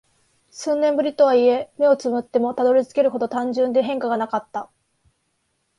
数年ぶりとはいえ、目を瞑ってもたどり着けるほど単純で変化がなかった。